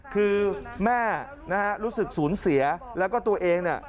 คือแม่นะฮะรู้สึกสูญเสียแล้วก็ตัวเองเนี่ย